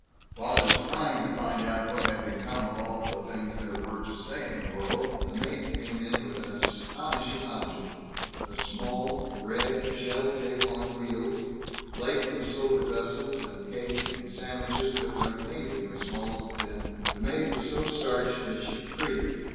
While he was trying to find out what had become of all the things there were to say in the world, a maid came in with an astonishing object a small, red, shelved table on wheels, laden with silver vessels, and cake, and sandwiches that were amazingly small and thin. The maid was so starched that she creaked.